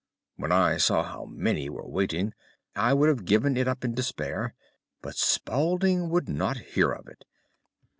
When I saw how many were waiting, I would have given it up in despair; but Spaulding would not hear of it.